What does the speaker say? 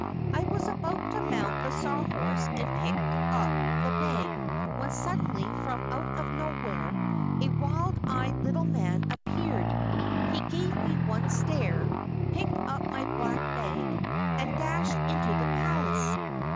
I was about to mount the Sawhorse and pick up the bag when suddenly from out of nowhere, a wild eyed little man appeared. He gave me one stare, picked up my Black Bag, and dashed into the Palace.